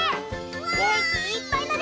げんきいっぱいだね！